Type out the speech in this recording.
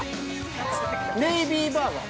◆ネイビーバーガー。